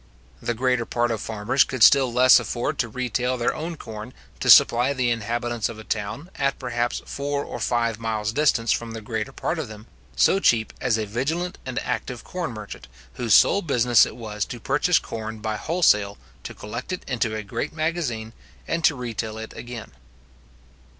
The greater part of farmers could still less afford to retail their own corn, to supply the inhabitants of a town, at perhaps four or five miles distance from the greater part of them, so cheap as a vigilant and active corn merchant, whose sole business it was to purchase corn by wholesale, to collect it into a great magazine, and to retail it again.